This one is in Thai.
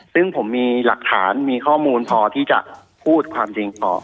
ซึ่งผมมีหลักฐานมีข้อมูลพอที่จะพูดความจริงต่อ